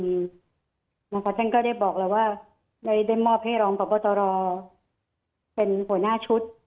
หลังจากฉันก็ได้บอกแล้วว่าได้มอบให้รองกับบทรเป็นหัวหน้าชุด